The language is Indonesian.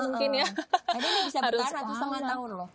mungkin ya ini bisa bertahan satu setengah tahun loh